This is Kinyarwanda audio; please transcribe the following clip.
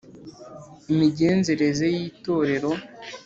imigenzereze y Itorero